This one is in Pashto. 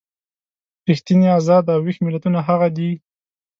ریښتیني ازاد او ویښ ملتونه هغه دي.